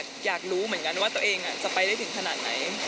อยากรู้เหมือนกันว่าตัวเองจะไปได้ถึงขนาดไหน